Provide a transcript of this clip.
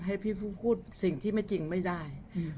ให้พี่พูดสิ่งที่ไม่จริงไม่ได้